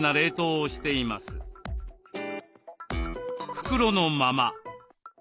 袋のまま。